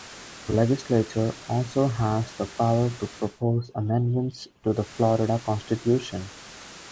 The Legislature also has the power to propose amendments to the Florida Constitution.